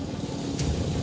telepon bang felsia